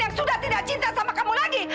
yang sudah tidak cinta sama kamu lagi